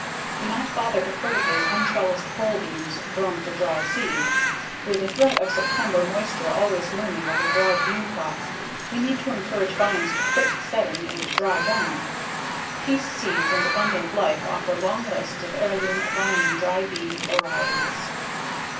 Do not bother to fertigate untrellised pole beans grown for dry seed. With the threat of September moisture always looming over dry bean plots, we need to encourage vines to quit setting and dry down. Peace Seeds and Abundant Life offer long lists of heirloom vining dry bean varieties.